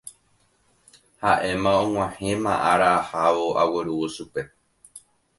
Haʼéma og̃uahẽma ára ahávo aguerúvo chupe.